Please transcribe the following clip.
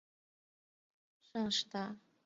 上师大中国慰安妇问题研究中心